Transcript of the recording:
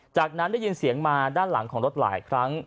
จากนั้นได้ยินเสียงมาด้านหลังของรถหลายครั้ง